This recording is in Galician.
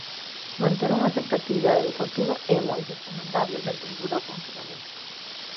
Manter unha certa actividade deportiva é moi recomendable mentres dura o confinamento.